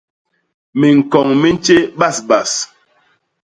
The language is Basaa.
Miñkoñ mi ntjé bas bas.